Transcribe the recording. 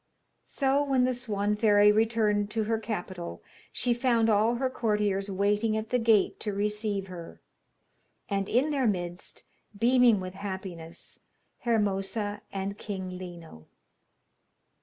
So when the Swan fairy returned to her capital she found all her courtiers waiting at the gate to receive her, and in their midst, beaming with happiness, Hermosa and King Lino.